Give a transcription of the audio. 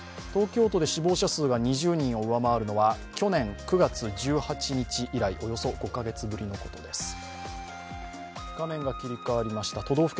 東京都で死亡者数が２０人を上回るのは去年９月１８日以来およそ５カ月ぶりのことです。